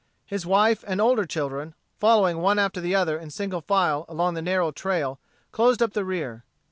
His wife and older children, following one after the other in single file along the narrow trail, closed up the rear.